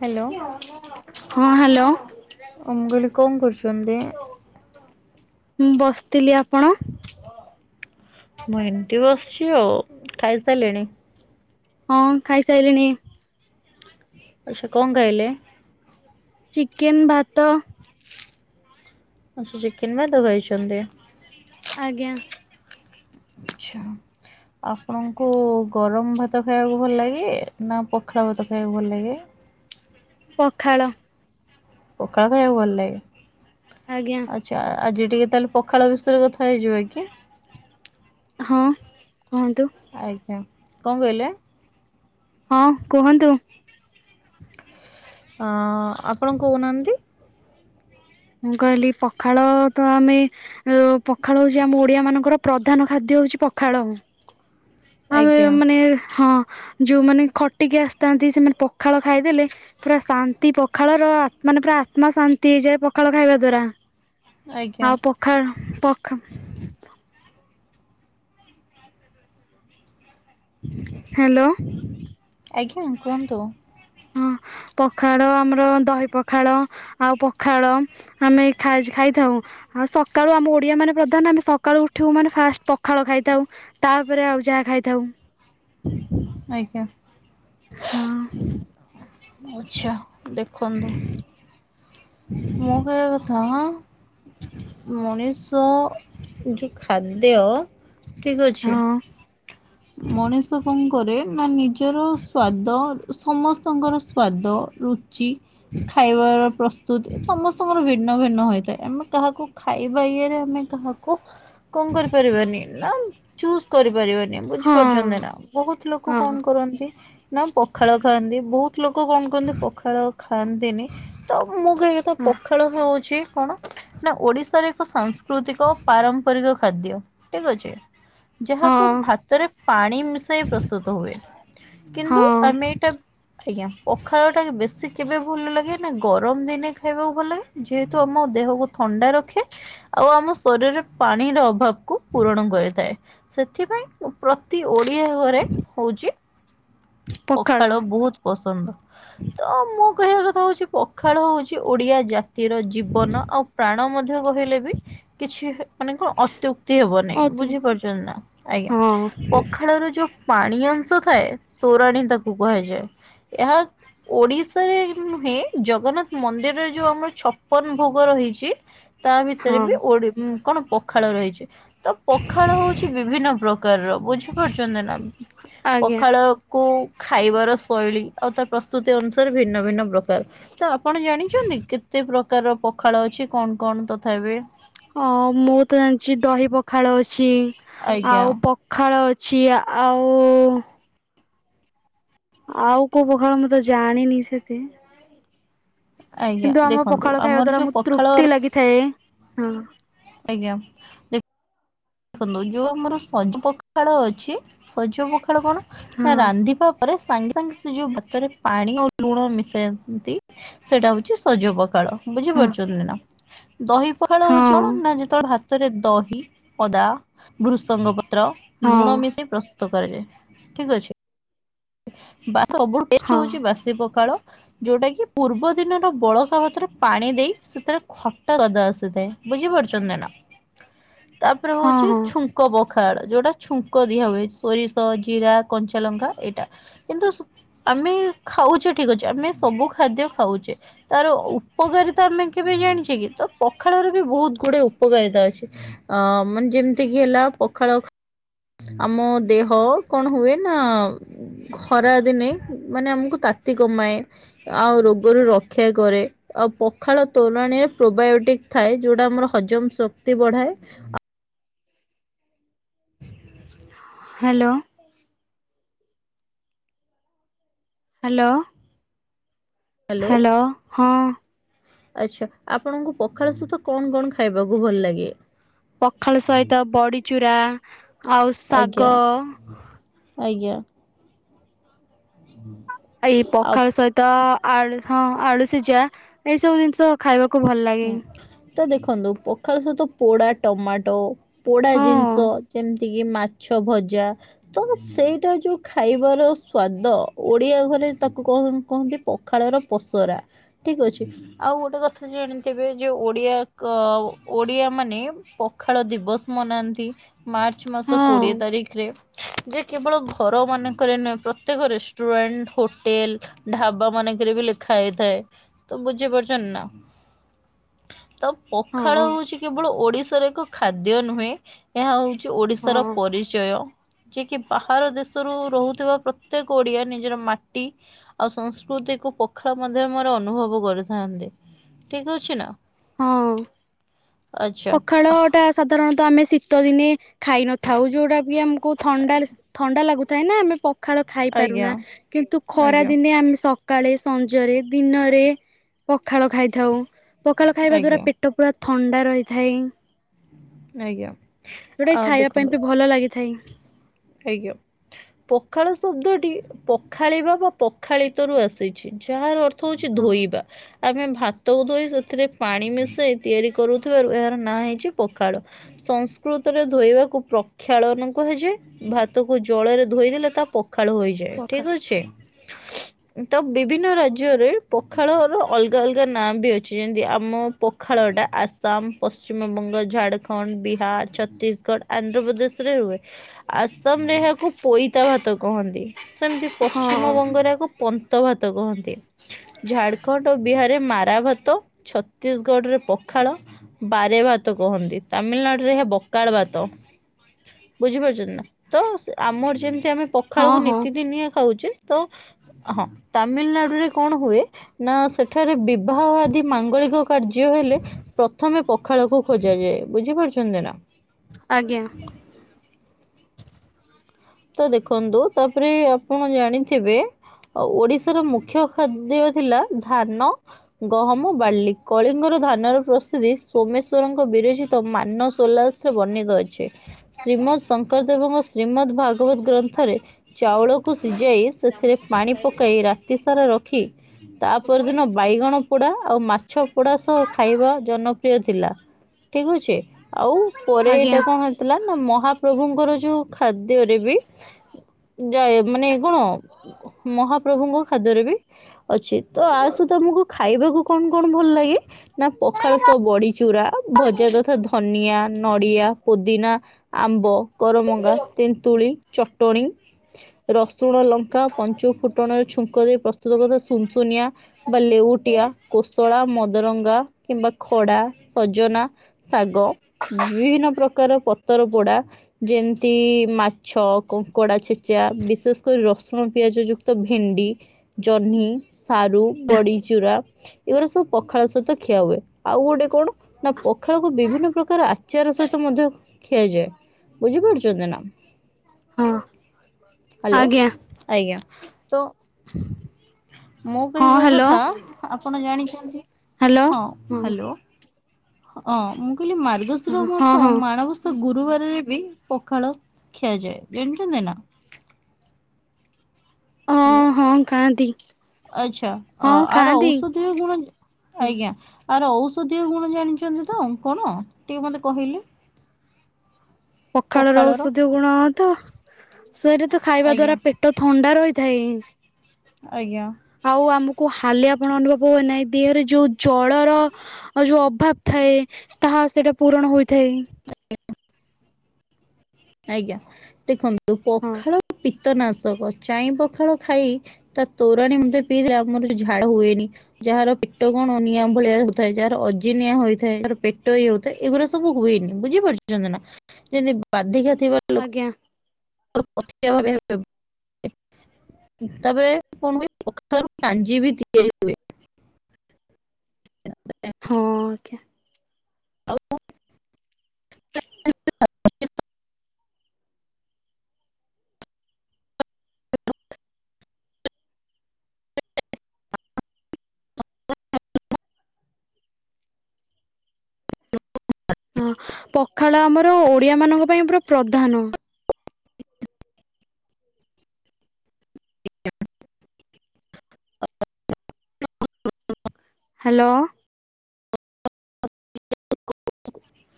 Hello. Hello. ମୁ କହିଲି କଣ କରୁଛନ୍ତି? ମୁଁ ବସିଥିଲି ଆପଣ? ମୁଁ ଏମିତି ବସିଛି ଆଉ ଖାଇସାରିଲେଣି? ହଁ ଖାଇସାଇଲିଣି। ଆଉ ସେ କଣ କାଇଲେ। ଚିକେନ୍ ଭାତ। ଆଉ ସେ ଚିକେନ୍ ଵାତ କାଇଛନ୍ତି। ଆଜ୍ଞା। ଆଛା। ଆପଣଙ୍କୁ ଗରମ ଭାତ ଖାଇବାକୁ ଭଲ ଲାଗେ ନା ପଖାଳ ଭାତ ଖାଇବାକୁ ଭଲ ଲାଗେ? ପଖାଳ। ପକାଳ ଖାଇବାକୁ ଭଲ ଲାଗେ। ଆଜ୍ଞା। ଆଚ୍ଛା ଆଜି ଟିକେ ତାହେଲେ ପଖାଳ ବିଷୟରେ କଥା ହେଇଯିବା କି? ହଁ କୁହନ୍ତୁ। ଆଜ୍ଞା କଣ କହିଲେ? ହଁ କୁହନ୍ତୁ? ଅ ଆପଣ କହୁନାହାନ୍ତି? ମୁଁ କହିଲି ପଖାଳ ତ ଆମେ ଅ ପଖାଳ ହଉଛି ଆମ ଓଡିଆ ମାନଙ୍କର ପ୍ରଧାନ ଖାଦ୍ୟ ହଉଛି ପଖାଳ। ଆମେ ଆଜ୍ଞା ମାନେ ହଁ ଯୋଉମାନେ ଖଟିକି ଆସିଥାନ୍ତି ସେମାନେ ପଖାଳ ଖାଇଦେଲେ ପୁରା ଶାନ୍ତି ପଖାଳର ମାନେ ପୁରା ଆତ୍ମା ଶାନ୍ତି ହେଇଯାଏ ପଖାଳ ଖାଇବା ଦ୍ଵାରା‌। ଆଜ୍ଞା ଆଉ ପଖାଳ ପଖ ହ୍ୟାଲୋ। ଆଜ୍ଞା କୁହନ୍ତୁ। ହଁ ପଖାଳ ଆମର ଦହି ପଖାଳ ଆଉ ପଖାଳ ଆମେ ଖାଇସି ଖାଇଥାଉ। ଆଉ ସକାଳୁ ଆମ ଓଡିଆ ମାନେ ପ୍ରଧାନ ଆମେ ସକାଳୁ ଉଠିବ ମାନେ ଫାଷ୍ଟ ପଖାଳ ଖାଇଥାଉ। ତାପରେ ଆଉ ଯାହା ଖାଇଥାଉ। ଆଜ୍ଞା। ହଁ। ଆଚ୍ଛା ଦେଖନ୍ତୁ। ମୁଁ କହିବା କଥା। ମଣିଷ ଯୋଉ ଖାଦ୍ୟ ଠିକ୍ ଅଛି। ହଁ ମଣିଷ କଣ କରେ ନା ନିଜର ସ୍ଵାଦ ସମସ୍ତଙ୍କର ସ୍ଵାଦ ରୁ ଚି ଖାଇବାର ପ୍ର ସମସ୍ତଙ୍କର ଭିନ୍ନ ଭିନ୍ନ ହୋଇଥାଏ। ଆମେ କାହାକୁ ଖାଇବା ଇରେ ଆମେ କାହାକୁ କଣ କରିପାରିବାନି ନା ଚୁଜ୍ କରିପାରିବାନି। ବୁଝି ପାରୁଚନ୍ତି ହଁ ନା ବୋହୁତ ଲୋକ ହଁ କଣ କରନ୍ତି ନା ପଖାଳ ଖାଆନ୍ତି। ବୋହୁତ ଲୋକ କଣ କହନ୍ତି ପଖାଳ ଖାଆନ୍ତିନି। ତ ମୁଁ କହିବା କଥା ହଁ ପଖାଳ ଖାଉଚି ଚି କଣ ନା ଓଡିଶାର ଏକ ସାଂସ୍କୃତିକ ଓ ପାରମ୍ପରିକ ଖାଦ୍ୟ ଠିକ୍ ଅଛି। ଯାହାକୁ ହଁ ଭାତରେ ପାଣି ମିଶାଇ ପ୍ରସ୍ତୁତ ହୁଏ। କିନ୍ତୁ ହଁ ଆମେ ଏଟା ଆଜ୍ଞା ପଖାଳଟା ବେଶୀ କେବେ ଭଲ ଲାଗେ ନା ଗରମ ଦିନେ ଖାଇବାକୁ ଭଲ ଲାଗେ। ଯେହେତୁ ଆମ ଦେହକୁ ଥଣ୍ଡା ରଖେ। ଆଉ ଆମ ଶରୀରରେ ପାଣିର ଅଭାବ କୁ ପୂରଣ କରିଥାଏ। ସେଥିପାଇଁ ପ୍ରତି ଓଡିଆ ଘରେ ହୋଉଚି ପଖାଳ ବୋହୁତ ପସନ୍ଦ। ତ ମୁଁ କହିବା କଥା ହୋଉଚି ପ ଖାଳ ହୋଉଚି ଓଡିଆ ଜାତିର ଜୀବନ ଆଉ ପ୍ରାଣ ମଧ୍ୟ କହି ଲେ ବି କିଛି ମାନେ କଣ ଅତ୍ୟୁକ୍ତି ହେବ ନାହିଁ। ଅତି ବୁଝିପାରୁଚନ୍ତି ନା ଆଜ୍ଞା। ହଁ ପଖାଳର ଯୋଉ ପାଣି ଅଂଶ ଥାଏ। ତୋରାଣି ତାକୁ କୁହାଯାଏ। ଏହା ଓଡିଶାରେ ନୁହେଁ। ଜଗନ୍ନାଥ ମନ୍ଦିରରେ ଯୋଉ ଆମର ଛପନ ଭୋଗ ରହିଚି ତା ଭିତରେ ହଁ ବି ଓଡି ଉଁ କଣ ପଖାଳ ରହିଚି। ତ ପଖାଳ ହୋଉଛି ବିଭିନ୍ନ ପ୍ରକାରର ବୁଝିପାରୁଚନ୍ତି ନା। ଆଜ୍ଞା ପଖାଳ କୁ ଖାଇବାର ଶୈଳୀ ଆଉ ତା ପ୍ରସ୍ତୁତି ଅନୁସାରେ ଭିନ୍ନ ଭିନ୍ନ ପ୍ରକାର। ତ ଆପଣ ଜାଣିଚନ୍ତି କେତେ ପ୍ରକାରର ପଖାଳ ଅଛି କଣ କଣ ତଥାପି? ହଁ ମୁଁ ତ ଜାଣିଚି ଦହି ପଖାଳ ଅଛି। ଆଜ୍ଞା ଆଉ ପ ଖାଳ ଅଛି ଆଉ ଆଉ କୋଉ ପାଖାଳ ମୁଁ ତ ଜାଣିନି ସେତେ। ଆଜ୍ଞା କିନ୍ତୁ ଆମକୁ ଦେଖନ୍ତୁ ପଖାଳ ଖାଇବା ଆମର ଦ୍ଵାରା ଯୋଉ ମୁଁ ପଖାଳ ତୃପ୍ତି ଲାଗିଥାଏ ହଁ। ଆଜ୍ଞା। ଦେଖନ୍ତୁ ଯୋଉ ଆମର ସଜ ପଖାଳ ଅଛି। ସଜ ପଖାଳ କଣ ନା ହଁ ରାନ୍ଧିବା ପରେ ସାଙ୍ଗେ ସାଙ୍ଗେ ସେ ଯୋଉ ଭାତରେ ପାଣି ଆଉ ଲୁଣ ମିଶାଇନ୍ତି। ସେଟା ହୋଉଚି ସଜ ପଖାଳ। ବୁଝି ହଁ ପାରୁଚନ୍ତି ନା ଦହି ପଖାଳ ହୋଉଚି କଣ ହଁ ନା ଯେତେବେଳେ ଭାତରେ ଦହି ଅଦା ଭୃଷଙ୍ଗ ପତ୍ର ହଁ ଲୁଣ ମିଶାଇ ପ୍ରସ୍ତୁତ କରାଯାଏ ଠିକ୍ ଅଛି। ବା ସବୁଠୁ ଟେଷ୍ଟ ହଁ ହୋଉଚି ବାସି ପଖାଳ। ଯୋଉଟା କି ପୂର୍ବ ଦିନର ବଳକା ଭାତରେ ପାଣି ଦେଇ ସେଥିରେ ଖଟା ସ୍ୱାଦ ଆସିଥାଏ। ବୁଝି ପାରୁଚନ୍ତି ନା ତାପରେ ହଁ ହୋଉଚି ହଁ ଛୁ ଙ୍କ ପଖାଳ ଯୋଉଟା ଛୁଙ୍କ ଦିଆହୁଏ ସୋରିଷ ଜିରା କଞ୍ଚା ଲଙ୍କା ଏଇଟା। କିନ୍ତୁ ଆମେ ଖାଉଚେ ଠିକ୍ ଅଛି। ଆମେ ସବୁ ଖାଦ୍ୟ ଖାଉଚେ ତାର ଉପକାରିତା ତ ଆମେ କେବେ ଜାଣିଚେ କି ତ ପଖାଳରେ ବି ବୋହୁତ ଗୁଡେ ଉପକାରିତା ଅଛି ଆ ମାନେ ଯେମତିକି ହେଲା ପଖାଳ ଆମ ଦେହ କଣ ହୁଏ ନା ଖରାଦିନେ ଉଁ ମାନେ ଆମକୁ ତାତି କମାଏ। ଆଉ ରୋଗରୁ ରକ୍ଷା କରେ। ଆଉ ପଖାଳ ତୋରାଣିରେ ପ୍ରୋବାୟୋଟିକ ଥାଏ ଯୋଉଟା ଆମର ହଜମ ଶକ୍ତି ବଢାଏ। ହ୍ୟାଲୋ। ହାଲୋ ହାଲୋ ହଁ। ଆଛା। ଆପଣଙ୍କୁ ପଖାଳ ସହିତ କଣ କଣ ଖାଇବାକୁ ଭଲ ଲାଗେ? ପଖାଳ ସହିତ ବଡି ଚୁରା ଆଜ୍ଞା ଆଜ୍ଞା। [inaudible] ଏଇ ଆଉ ପଖାଳ ସହିତ ଆଳୁ ହଁ ଆଳୁ ସିଜା ଏଇ ସବୁ ଜିନିଷ ଖାଇବାକୁ ଭଲ ଲାଗେ। ହୁଁ ତ ଦେଖନ୍ତୁ ପଖାଳ ସହିତ ପୋଡା ଟମାଟୋ ପୋଡା ହଁ ଜିନିଷ ଯେମ ତିକି ମାଛ ଭଜା ତ ସେଇଟା ଯୋଉ ଖାଇବାର ସ୍ଵାଦ ଓଡିଆ ଘରେ ତାକୁ କଣ କହନ୍ତି ପଖାଳର ପସରା। ଠିକ ଅଛି। ଆଉ ଗୋଟେ କଥା ଜାଣି ତେବେ ଯୋଉ ଓଡିଆ କ ଓ ଓଡିଆମାନେ ପଖାଳ ଦିବସ ମନାନ୍ତି। ମାର୍ଚ୍ଚ ମାସ ହଁ କୋଡିଏ ତାରିଖରେ। ଯେ କେବଳ ଘରମାନଙ୍କରେ ନୁଏଁ ପ୍ରତ୍ୟେକ ରେଷ୍ଟୁରାଣ୍ଟ ହୋଟେଲ ଢାବାମାନେଙ୍କେରେ ବି ଲେଖା ହେଇଥାଏ ତ ବୁଝି ପାରୁଚନ୍ତି ନା। ତ ପଖାଳ ହଁ ହଉଚି କେବଳ ଓଡିଶାର ଏକ ଖାଦ୍ୟ ନୁହେଁ ଏହା ହଉଚି ଓଡିଶାର ହଁ ପରିଚୟ ଯିଏ କି ବାହାର ଦେଶରୁ ରହୁଥୁବା ପ୍ର ତେକ ଓଡିଆ ନିଜର ମାଟି ଆଉ ସଂସ୍କୃତିକୁ ପଖାଳ ମାଧ୍ୟମେରେ ଅନୁଭବ କରିଥାନ୍ତି। ଠିକ ଅଛି ନା। ହଁ। ଆଚ୍ଛା ପଖାଳଟା ସାଧାରଣତଃ ଆମେ ଶୀତଦିନେ ଖାଇ ନଥାଉ ଯୋଉଟା କି ଆମୁକୁ ଥଣ୍ଡା ଆଜ୍ଞା ଳିସ୍ ଥଣ୍ଡା ଲାଗୁଥାଏ ନା ଆମେ ପ ଖାଳ ଆଜ୍ଞା ଖାଇପାରୁନା କିନ୍ତୁ ଆଜ୍ଞା ଖରାଦିନେ ଆମେ ସ କାଳେ ସଞ୍ଜରେ ଦିନରେ ପଖାଳ ଖାଇଥାଉ। ଖାଳ ଖାଇବା ଦ୍ଵାରା ଆଜ୍ଞା। ପେଟ ପୁରା ଥଣ୍ଡା ରହିଥାଇ। ଆଜ୍ଞା ହେଇଟା ବି ଏହି ଆ ଖାଇବା ପାଇଁ ଦେଖନ୍ତୁ ବି ଭଲ ଲାଗିଥାଇ। ଆଜ୍ଞା। ପଖାଳ ଶବ୍ଦଟି ପଖାଳିବା ବା ପଖାଳିତରୁ ଆସିଛି। ଯାହାର ଅର୍ ଥ ହଉଚି ହଁ ଧୋଇବା। ଆମେ ଭାତକୁ ଧୋଇ ସେଥିରେ ପାଣି ମିଶେଇ ତିଆରି କରୁଥୁବାରୁ ଏହାର ନାଁ ହେଇଚି ପଖାଳ। ସଂସ୍କୃତରେ ଧୋଇବାକୁ ପ୍ରକ୍ଷାଳନ କୁହାଯାଏ। ଭାତକୁ ଜଳେରେ ଧୋଇଦେଲେ ତା ପଖାଳ ହୋଇଯାଏ। ପଖାଳ ଠିକ ଅଛି। ତ ବିଭିନ୍ନ ରାଜ୍ୟରେ ପଖାଳର ଅଲଗା ଅଲଗା ନାଁ ବି ଅଛି ଯେନ୍ତି ଆମ ପଖାଳଟା ଆସାମ ପଶ୍ଚିମବଙ୍ଗ ଝାଡ଼ଖଣ୍ଡ ବିହାର ଛତିଶଗଡ ଆନ୍ଧ୍ରପ୍ରଦେଶରେ ହୁଏ। ଆସାମରେ ଏହାକୁ ପୋଇତା ଭାତ କହନ୍ତି ସେମତି ହଁ ପଶ୍ଚିମବଙ୍ଗରେ ଆକୁ ପନ୍ତା ଭାତ କହନ୍ତି। ଝାଡଖଣ୍ଡ ଓ ବିହାରରେ ମାରାଭାତ ଛତିଶଗଡରେ ପଖାଳ ବାରେ ଭାତ କହନ୍ତି ତାମିଲନାଡୁରେ ଏହା ବକାଳ ଭାତ ବୁଝିପାରୁଚନ୍ତି ନା। ତ ସେ ଆମର ଯେମତି ଆମେ ହଁ ପଖାଳକୁ ହଁ ନିତିଦିନିଆ ଖାଉଚେ ତ ହଁ ତାମିଲନାଡୁରେ କଣ ହୁଏ ନା ସେଠାରେ ବି ବାହ ଆଦି ମାଙ୍ଗଳିକ କାର୍ଯ୍ୟ ହେଲେ ପ୍ରଥମେ ପଖାଳକୁ ଖୋଜାଯାଏ ବୁଝି ପାରୁଛନ୍ତି ନା। ଆଜ୍ଞା। ତ ଦେଖନ୍ତୁ ତାପରେ ଆପଣ ଜାଣିଥିବେ ଆଉ ଓଡ଼ିଶାର ମୁଖ୍ୟ ଖାଦ୍ୟ ଥିଲା ଧାନ। ଗହମ ବାଲି କଳିଙ୍ଗର ଧାନର ପ୍ରସିଦ୍ଧି ସୋମେଶ୍ୱରଙ୍କ ବିରୋଚିତ ମାନ ସୋଲାସ୍ ବର୍ଣ୍ଣିତ ଅଛି ଶ୍ରୀମଦ୍ ଶଙ୍କର ଦେବଙ୍କ ଶ୍ରୀମଦ୍ ଭାଗବତ୍ ଗ୍ରନ୍ଥରେ ଚାଉଳକୁ ସିଝାଇ ସେଥିରେ ପାଣି ପକାଇ ରାତି ସାରା ରଖି ତାପରଦିନ ବାଇଗଣ ପୋଡ଼ା ଆଉ ମାଛ ପୋଡ଼ା ସହ ଖାଇବା ଜନପ୍ରିୟ ଥିଲା ଠିକ୍ ଅଛି। ଆଉ ପରେ ଆଜ୍ଞା। ଏଇଟା କଣ ହେଇଥିଲା ନା ମହାପ୍ରଭୁଙ୍କର ଯୋଉ ଖାଦ୍ୟ ରେ ଯେବି ଯାଏ ମାନେ କଣ ମହାପ୍ରଭୁଙ୍କ ଖାଦ୍ୟରେ ବି ଅଛି ତ ଆ ସଇତ ଆମକୁ ଖାଇବାକୁ କଣ କଣ ଭଲ ଲାଗେ? ନା ପଖାଳ ସହ ବଡ଼ି ଚୁରା ଭଜା ତଥା ଧନିଆ, ନଡିଆ, ପୋଦିନା ଆମ୍ବ, କରମଙ୍ଗା, ତେନ୍ତୁଳି ଚଟଣି ରସୁଣ ଲଙ୍କା ପଞ୍ଚୁ ଫୁଟଣର ଛୁଙ୍କ ଦେଇ ପ୍ରସ୍ତୁତ କରି ଦବ ସ୍ ସୁନଶୁନିଆ ବା ଲେଉଟିଆ, କୋଶଳା, ମଦରଙ୍ଗା କିମ୍ବା ଖଡ଼ା, ସଜନା ଶାଗ ବିଭିନ୍ନ ପ୍ରକାର ପତର ପୋଡ଼ା ଯେମିତି ମା ଛ କଙ୍କଡ଼ା ଛେଚା ବିଶେଷ୍ କରି ରସୁଣ ପିଆଜ ଯୁକ୍ତ ଭେଣ୍ଡି ଜ ଜହ୍ନି, ସାରୁ, ବଡ଼ିଚୁରା ଏଗୁରା ସବୁ ପଖାଳ ସହିତ ଖିଆ ହୁଏ ଆଉ ଗୋଟେ କଣ? ନା ପଖାଳକୁ ବିଭିନ୍ନ ପ୍ରକାର ଆଚାର ସହିତ ମଧ୍ୟ ଖିଆଯାଏ ବୁଝିପାରୁଛନ୍ତି ନା? ହଁ ହାଲୋ ଆଜ୍ଞା ଆଜ୍ଞା ତ ମୁଁ ହଁ କହିବା ହ୍ୟାଲୋ କଥା ଆପଣ ଜାଣିଛନ୍ତି ହଁ ହାଲୋ। ହଁ ମୁଁ କହିଲି ମାର୍ଗଶିର ହଁ ହଁ ମାସ ହଁ ମାଣବସ୍ ସ ଗୁରୁବାରରେ ବି ପଖାଳ ଖିଆଯାଏ ଜାଣିଚନ୍ତି ନା? ହଁ ହାଲୋ। ହଁ ଖାଆନ୍ତି। ଆଚ୍ଛା ଅ ହଁ ଆର ଖାଆନ୍ତି ହୁଁ। ଔଷଧୀୟ ଗୁଣ ଆଜ୍ଞା ଆର ଔଷଧୀୟ ଗୁଣ ଜାଣିଛନ୍ତି ତ କଣ ଟିକେ ମତେ କହିଲେ? ପଖାଳ ର ପଖାଳର ଔଷଧ ଗୁଣ ତ ସେଇଟା ତ ଖାଇବା ଆଜ୍ଞା ଦ୍ଵାରା ପେ ଟ ଥଣ୍ଡା ରହିଥାଏଁ। ଆଜ୍ଞା। ଆଉ ଆମକୁ ହାଲିଆ ପଣ ଅନୁଭବ ହୁଏ ନାହିଁ ଦିହରେ ଯୋଉ ଜ୍ୱଳର ଆଉ ଯୋଉ ଅଭାବ୍ ଥାଏ ତାହା ସେଇଟା ପୂରଣ ହୋଇଥାଏ। [inaudible] ଆଜ୍ଞା ଦେଖନ୍ତୁ ହଁ ପଖାଳ ପୀତନାଶକ ଚାଇଁ ପଖାଳ ଖାଇ ତା ତୋରଣୀ ମୁନ୍ଦେ ପିଇଦେଲେ ଆମର ଝାଳ ହୁଏନି। ଯାହାର ପେଟ କଣ ନିଆଁ ଭଳିଆ ହଉଥାଏ ଯାହାର ଅଜିିନିଆ ହୋଇଥାଏ ଯାହାର ପେଟ ଇଉ ତ ଏଗୁରା ସବୁ ହୁଏନି ବୁଝିପାରୁଛନ୍ତି ନା ଯଦି ବାଧିକା ଥିବା ଲୋକଙ୍କର ଆଜ୍ଞା। [inaudible] ତାପରେ କଣ ହୁଏ ପଖାଳ କାଞ୍ଜି ବି ତିଆରି ହୁଏ। ହଁ ଆଜ୍ଞା। ଆଉ [inaudible] ହଁ ପଖାଳ ଆମର ଓଡ଼ିଆ ମାନଙ୍କ ପାଇଁ ପୁରା ପ୍ରଧାନ। ହାଲୋ। [inaudible]